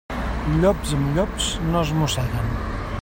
Llops amb llops no es mosseguen.